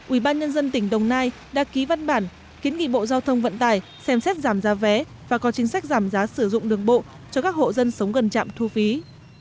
ubnd tỉnh đồng nai đã ký văn bản kiến nghị bộ giao thông vận tải xem xét giảm giá vé và có chính sách giảm giá sử dụng đường bộ cho các hộ dân sống gần trạm thu phí